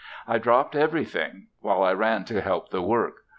I dropped everything while I ran to help the work.